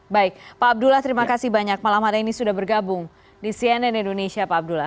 baik pak abdullah terima kasih banyak malam hari ini sudah bergabung di cnn indonesia pak abdullah